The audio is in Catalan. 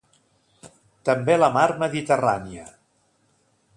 També a la Mar Mediterrània.